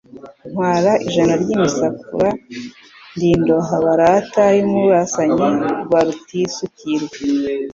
ntwara ijana ry' imisakura ndi Indoha barata y'umurasanyi wa Rutisukirwa,